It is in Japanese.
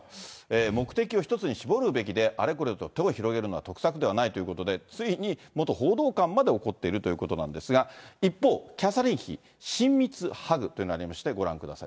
目的を一つに絞るべきで、あれこれと手を広げるのは得策ではないということで、ついに元報道官まで怒っているということなんですが、一方、キャサリン妃、親密ハグとありまして、ご覧ください。